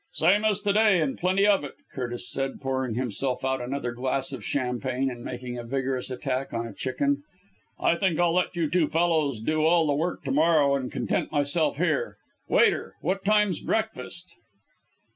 "Same as to day and plenty of it," Curtis said, pouring himself out another glass of champagne and making a vigorous attack on a chicken. "I think I'll let you two fellows do all the work to morrow, and content myself here. Waiter! What time's breakfast?"